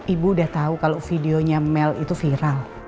ibu udah tau kalo videonya mel itu viral